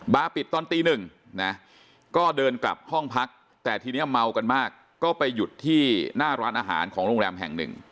ปิดตอนตีหนึ่งนะก็เดินกลับห้องพักแต่ทีนี้เมากันมากก็ไปหยุดที่หน้าร้านอาหารของโรงแรมแห่งหนึ่ง